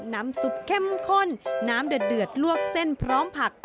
น้ำซุปเข้มข้นน้ำเดือดลวกเส้นพร้อมผัก